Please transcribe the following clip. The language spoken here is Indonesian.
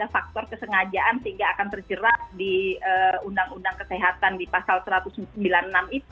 faktor kesengajaan sehingga akan terjerat di undang undang kesehatan di pasal satu ratus sembilan puluh enam itu